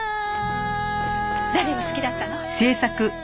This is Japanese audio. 誰を好きだったの？